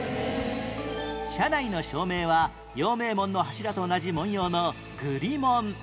車内の照明は陽明門の柱と同じ紋様のグリ紋